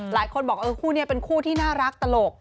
หลายคนบอกเออคู่นี้เป็นคู่ที่น่ารักตลก